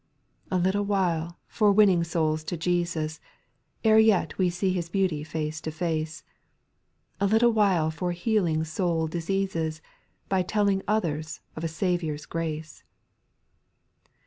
5. " A little while " for winning souls to Jesas, Ere yet we see His beauty face to face ; A little while for healing soul diseases, By telling others of a Saviour's grace.